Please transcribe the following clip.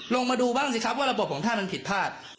ลงมาดูบ้างสิครับว่าระบบของท่านมันผิดพลาด